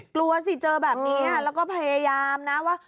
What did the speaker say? กลัวสิเจอแบบนี้แล้วก็พยายามนะว่า